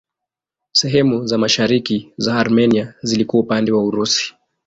Sehemu za mashariki za Armenia zilikuwa upande wa Urusi.